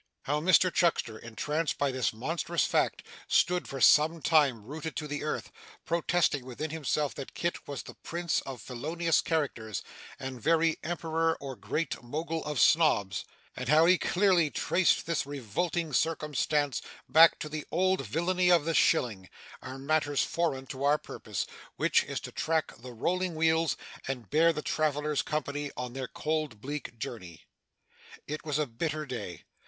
How Mr Chuckster, entranced by this monstrous fact, stood for some time rooted to the earth, protesting within himself that Kit was the Prince of felonious characters, and very Emperor or Great Mogul of Snobs, and how he clearly traced this revolting circumstance back to that old villany of the shilling, are matters foreign to our purpose; which is to track the rolling wheels, and bear the travellers company on their cold, bleak journey. It was a bitter day.